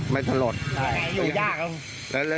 ไม่สะลดครับ